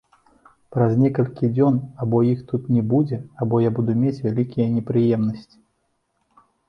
Праз некалькі дзён або іх тут не будзе, або я буду мець вялікія непрыемнасці.